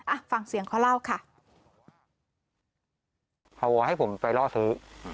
อ่ะฟังเสียงเขาเล่าค่ะพอให้ผมไปล่อซื้ออืม